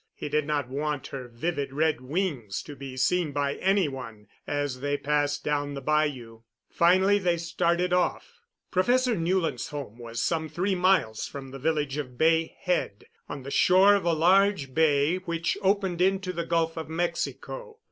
He did not want her vivid red wings to be seen by any one as they passed down the bayou. Finally they started off. Professor Newland's home was some three miles from the village of Bay Head, on the shore of a large bay which opened into the Gulf of Mexico.